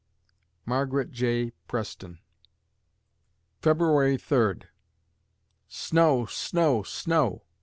MARGARET J. PRESTON February Third Snow! Snow! Snow!